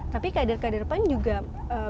tapi keadaan ke depan juga banyak